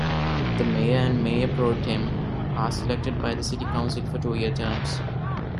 The mayor and mayor pro-tem are selected by the City Council for two-year terms.